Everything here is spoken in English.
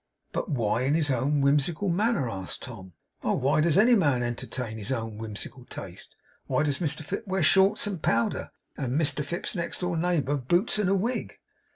'But why in his own whimsical manner?' asked Tom. 'Oh! why does any man entertain his own whimsical taste? Why does Mr Fips wear shorts and powder, and Mr Fips's next door neighbour boots and a wig?